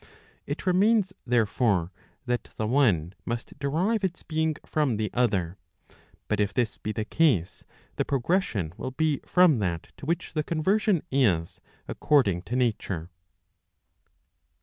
It remains, therefore, that the one must derive its being from the other. But if this be the case, the progression will be from that to which the conversion is according to nature.